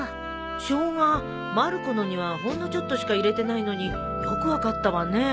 ショウガまる子のにはほんのちょっとしか入れてないのによく分かったわね。